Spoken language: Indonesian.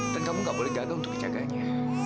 dan kamu gak boleh gagal untuk menjaganya